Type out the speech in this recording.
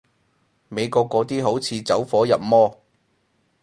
美國嗰啲好似走火入魔